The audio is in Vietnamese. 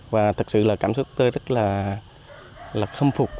và thật sự là cảm xúc tôi rất là khâm phục